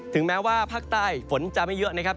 แม้ว่าภาคใต้ฝนจะไม่เยอะนะครับ